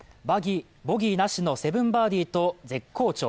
ボギーなしの７バーディーと絶好調。